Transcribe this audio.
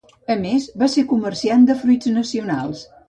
A més, va ser comerciant de fruits nacionals.